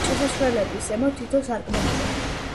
შესასვლელების ზემოთ თითო სარკმელია.